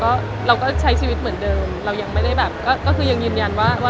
คุณก็เข้าใจถึงไปแล้วว่าเขาเปิดตัวโมงละ